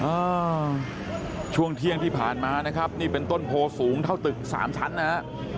อ่าช่วงเที่ยงที่ผ่านมานะครับนี่เป็นต้นโพสูงเท่าตึกสามชั้นนะฮะ